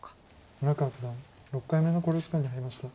村川九段６回目の考慮時間に入りました。